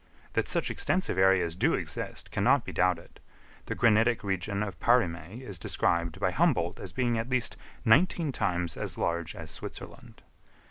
That such extensive areas do exist cannot be doubted: the granitic region of Parime is described by Humboldt as being at least nineteen times as large as Switzerland.